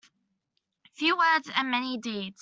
Few words and many deeds.